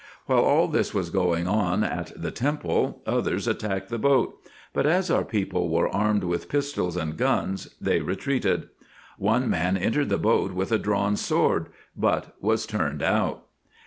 While all this was going on at the temple, others attacked the boat ; but, as our people were armed with pistols and guns, they retreated. One man entered the boat with a drawn sword, but was turned out.